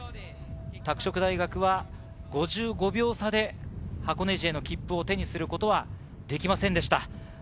拓殖大学は５５秒差で箱根路への切符を手にすることはできませんでした。